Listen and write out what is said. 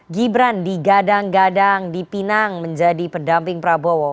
gibran digadang gadang di pinang menjadi pendamping prabowo